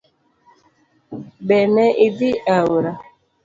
Be ne idhi aora?